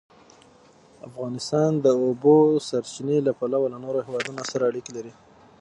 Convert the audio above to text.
افغانستان د د اوبو سرچینې له پلوه له نورو هېوادونو سره اړیکې لري.